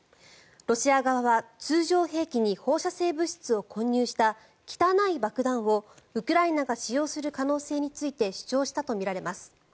ロシア側は通常兵器に放射性物質を混入した汚い爆弾をウクライナが使用する可能性について主張したとみられます。